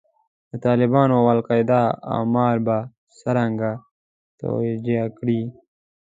د طالبانو او القاعده اعمال به څرنګه توجیه کړې.